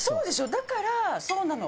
だからそうなの。